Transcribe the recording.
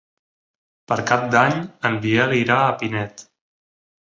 Per Cap d'Any en Biel irà a Pinet.